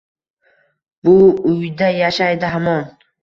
bu uyda yashaydi hamon